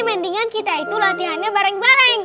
mendingan kita itu latihannya bareng bareng